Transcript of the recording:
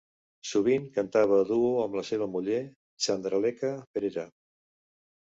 Sovint cantava a duo amb la seva muller Chandralekha Perera.